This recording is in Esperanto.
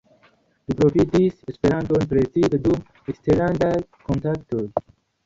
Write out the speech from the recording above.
Li profitis Esperanton precipe dum eksterlandaj kontaktoj.